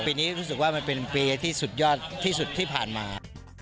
ปีนี้รู้สึกว่ามันเป็นปีที่สุดยอดที่สุดที่ผ่านมา